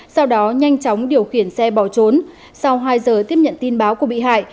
sau đó nhanh chóng điều khiển xe bỏ trốn sau hai giờ tiếp nhận tin báo của bị hại